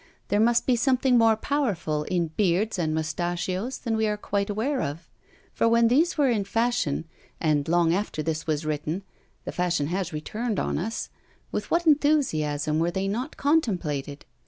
There must be something more powerful in beards and mustachios than we are quite aware of; for when these were in fashion and long after this was written the fashion has returned on us with what enthusiasm were they not contemplated!